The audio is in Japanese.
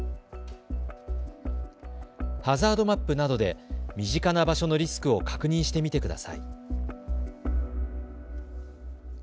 ハザードマップなどで身近な場所のリスクを確認してみてください。